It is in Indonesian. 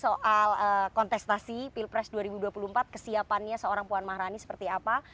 soal kontestasi pilpres dua ribu dua puluh empat kesiapannya seorang puan maharani seperti apa